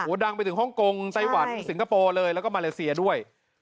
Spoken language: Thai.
ดังไปถึงฮ่องกงไต้หวันสิงคโปร์เลยแล้วก็มาเลเซียด้วย